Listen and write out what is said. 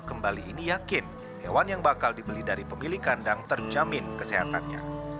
kembali ini yakin hewan yang bakal dibeli dari pemilik kandang terjamin kesehatannya